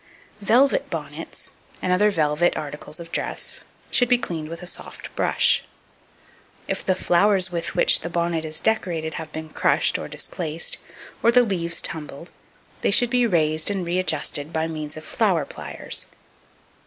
Velvet bonnets, and other velvet articles of dress, should be cleaned with a soft brush. If the flowers with which the bonnet is decorated have been crushed or displaced, or the leaves tumbled, they should be raised and readjusted by means of flower pliers.